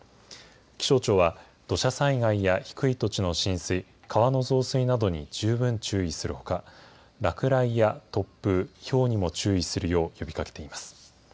気象庁は、土砂災害や低い土地の浸水、川の増水などに十分注意するほか、落雷や突風、ひょうにも注意するよう呼びかけています。